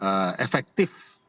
ketimbang membuat katakanlah ratusan